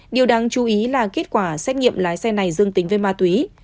điều đáng chú ý là kết quả xét nghiệm lái xe này dương tính với ma túy